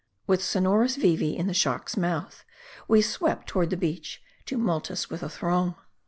With sonorous Vee Vee in the shark's mouth, we swept toward the beach, tumultuous with a throng.